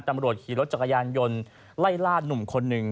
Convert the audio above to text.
ตำรวจขี่รถจักรยานยนต์ไล่ล่าหนุ่มคนหนึ่ง